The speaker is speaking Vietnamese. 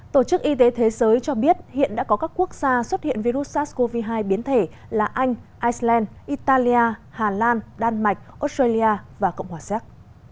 tổ chức y tế thế giới cho biết hiện đã có các quốc gia xuất hiện virus sars cov hai biến thể là anh iceland italia hà lan đan mạch australia và cộng hòa séc